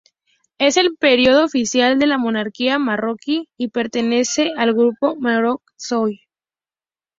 Es el periódico oficial de la monarquía marroquí y pertenece al Groupe Maroc Soir.